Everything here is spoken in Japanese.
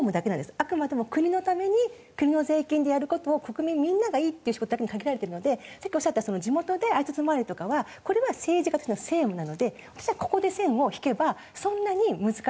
あくまでも国のために国の税金でやる事を国民みんながいいっていう仕事だけに限られてるのでさっきおっしゃった地元であいさつ回りとかはこれは政治家としての政務なので私はここで線を引けばそんなに難しい話ではないと。